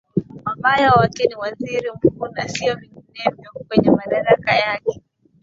wabaya wake ni waziri mkuu na siyo vyinginevo Kwenye madaraka yake